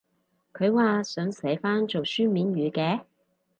佢話想寫返做書面語嘅？